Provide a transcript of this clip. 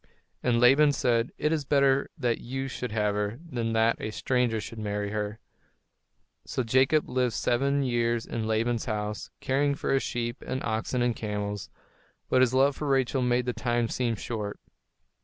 And Laban said, "It is better that you should have her, than that a stranger should marry her." So Jacob lived seven years in Laban's house, caring for his sheep and oxen and camels; but his love for Rachel made the time seem short.